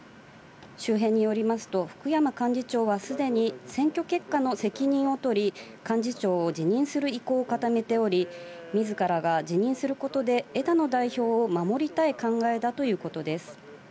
周辺によりますと、福山幹事長はすでに選挙結果の責任を取り、幹事長を辞任する意向を固めており、みずからが辞任することで枝野代表を守りたい考えだということです。